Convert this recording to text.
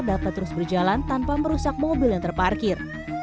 dapat terus berjalan tanpa merusak mobil yang terparkir